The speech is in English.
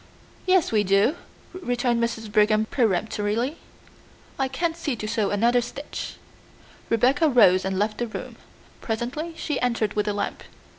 "Yes, we do," returned Mrs. Brigham peremptorily. "I can't see to sew another stitch." Rebecca rose and left the room. Presently she entered with a lamp.